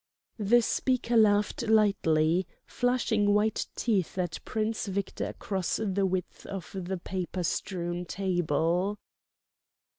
The speaker laughed lightly, flashing white teeth at Prince Victor across the width of the paper strewn table.